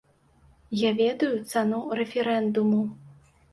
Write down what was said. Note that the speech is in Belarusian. Я ведаю цану рэферэндуму.